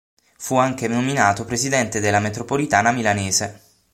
Fu anche nominato Presidente della Metropolitana Milanese.